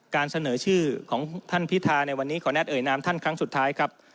การเสนอชื่อของท่านพิธาในวันนี้ขออนุญาตเอ่ยนามท่านครั้งสุดท้ายครับ